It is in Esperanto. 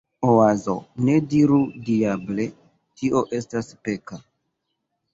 Oazo: "Ne diru "Diable!", tio estas peka!"